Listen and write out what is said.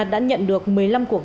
đã nhận được một mươi năm cuộc gặp